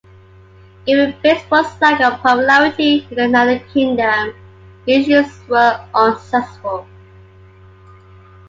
Given baseball's lack of popularity in the United Kingdom, the issues were unsuccessful.